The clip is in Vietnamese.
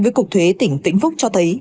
với cục thuế tỉnh vịnh phúc cho thấy